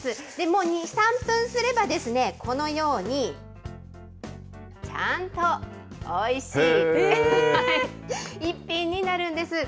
もう２、３分すれば、このようにちゃんとおいしい一品になるんです。